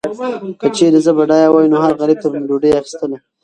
که چیرې زه بډایه وای، نو هر غریب ته به مې ډوډۍ اخیستله.